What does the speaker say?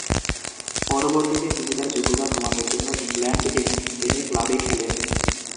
পরবর্তীতে তিনি তার যোগ্যতা প্রমাণের জন্য ইংল্যান্ড এবং স্পেনে ক্লাবে খেলেন।